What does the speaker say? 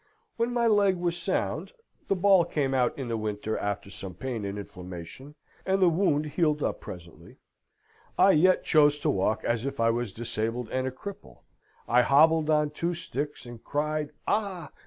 When my leg was sound (the ball came out in the winter, after some pain and inflammation, and the wound healed up presently), I yet chose to walk as if I was disabled and a cripple; I hobbled on two sticks, and cried Ah!